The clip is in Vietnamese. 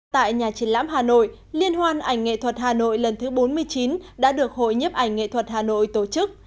tại nhà triển lãm hà nội liên hoan ảnh nghệ thuật hà nội lần thứ bốn mươi chín đã được hội nhiếp ảnh nghệ thuật hà nội tổ chức